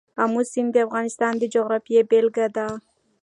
آمو سیند د افغانستان د جغرافیې بېلګه ده.